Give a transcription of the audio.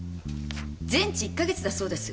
全治１か月だそうです。